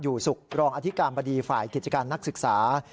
อยู่ศุกรองอธิกรรมบดีฝ่ายกิจการนักศึกษา